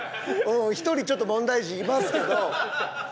１人ちょっと問題児いますけど。